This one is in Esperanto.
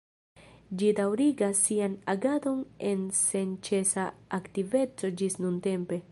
Ĝi daŭrigas sian agadon en senĉesa aktiveco ĝis nuntempe.